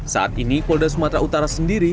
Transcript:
saat ini polda sumatera utara sendiri